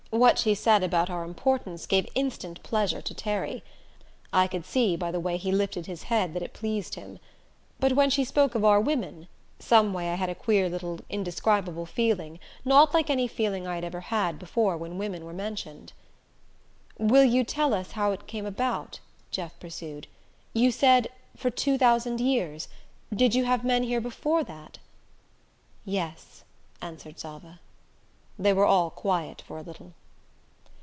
What she said about our importance gave instant pleasure to Terry. I could see by the way he lifted his head that it pleased him. But when she spoke of our women someway I had a queer little indescribable feeling, not like any feeling I ever had before when "women" were mentioned. "Will you tell us how it came about?" Jeff pursued. "You said 'for two thousand years' did you have men here before that?" "Yes," answered Zava. They were all quiet for a little.